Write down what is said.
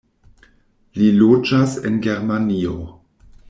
Li loĝas en Germanio.